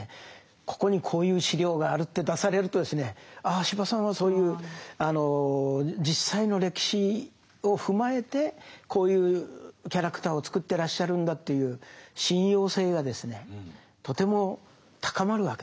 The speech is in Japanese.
ここにこういう資料があるって出されるとですねああ司馬さんはそういう実際の歴史を踏まえてこういうキャラクターを作ってらっしゃるんだという信用性がですねとても高まるわけです。